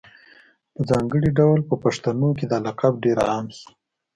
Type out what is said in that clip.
په ځانګړي ډول په پښتنو کي دا لقب ډېر عام شو